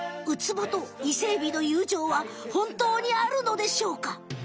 ウツボとイセエビの友情は本当にあるのでしょうか？